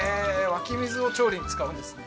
湧き水を調理に使うんですね